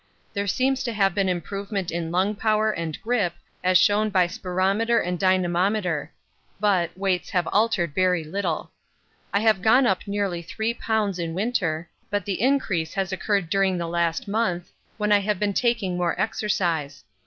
There seems to have been improvement in lung power and grip is shown by spirometer and dynamometer, but weights have altered very little. I have gone up nearly 3 lbs. in winter, but the increase has occurred during the last month, when I have been taking more exercise.